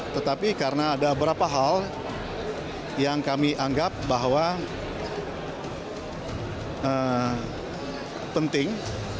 tetapi karena ada beberapa hal yang kami anggap bahwa penting